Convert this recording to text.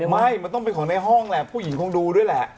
ไม่มันต้องเป็นของในห้องแหละผู้หญิงคงดูด้วยแหละ